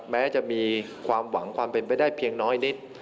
แม้จะมีความหวังความเป็นไปได้เพียงน้อยนิด